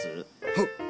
はっ！？